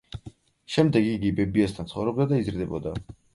შემდეგ იგი ბებიასთან ცხოვრობდა და იზრდებოდა.